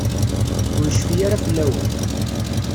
Ur yecfi ara fell-awen.